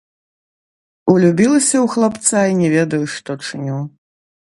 Улюбілася ў хлапца і не ведаю, што чыню.